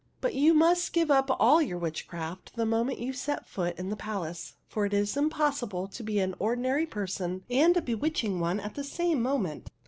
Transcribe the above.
But you must give up all your witchcraft the moment you set foot in the palace, for it is impossible to be an ordi nary person and a bewitching one at the same moment."